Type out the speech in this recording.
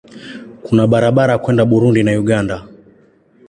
Kuna barabara kwenda Burundi na Uganda.